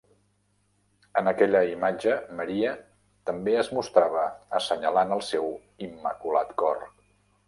En aquella imatge, Maria també es mostrava assenyalant el seu "immaculat cor".